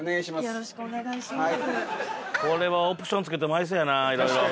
よろしくお願いします。